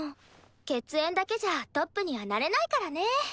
血縁だけじゃトップにはなれないからね。